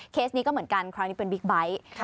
นี้ก็เหมือนกันคราวนี้เป็นบิ๊กไบท์